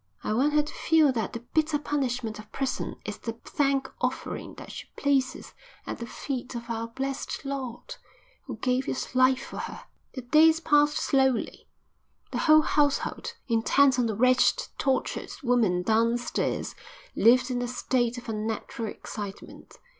I want her to feel that the bitter punishment of prison is the thank offering that she places at the feet of our Blessed Lord, who gave his life for her." The days passed slowly. The whole household, intent on the wretched, tortured woman downstairs, lived in a state of unnatural excitement.